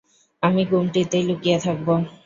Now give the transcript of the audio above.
আমি গুমটিতেই লুকিয়ে থাকবো।